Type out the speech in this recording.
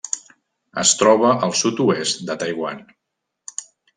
Es troba al sud-oest de Taiwan.